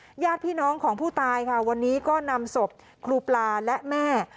ญาติพี่น้องของผู้ตายค่ะวันนี้ก็นำศพครูปลาและแม่